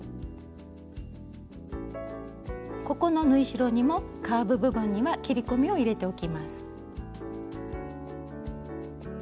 ここの縫い代にもカーブ部分には切り込みを入れておきます。